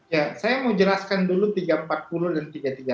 ya saya mau jelaskan dulu tiga ratus empat puluh dan tiga ratus tiga puluh